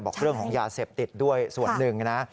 เรื่องของยาเสพติดด้วยส่วนหนึ่งนะ